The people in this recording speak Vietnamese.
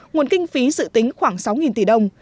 nguồn kinh phí dự tính khoảng sáu tỷ đồng